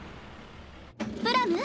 プラム？